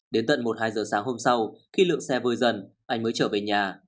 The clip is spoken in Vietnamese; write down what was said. đến tận một hai giờ sáng hôm sau khi lượng xe bôi dần anh mới trở về nhà